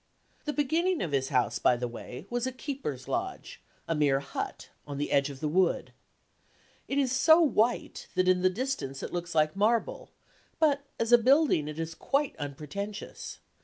The beginning of his house, by the way, was a keeper's lodge, a mere hut, on the edge of the wood. It is so white that in the distance it looks like marble, but as a building it is quite unpretentious.